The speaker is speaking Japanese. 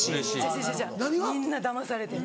違う違うみんなだまされてる。